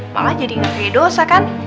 malah jadi ngeri dosa kan